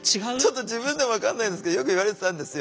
ちょっと自分でも分かんないんですけどよく言われてたんですよ。